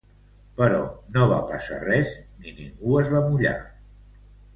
Però no va passar res ni ningú es va mullar